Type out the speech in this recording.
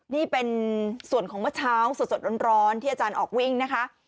นี่เป็นส่วนของเมื่อเช้าสดร้อนที่อาจารย์ออกวิ่งนะคะ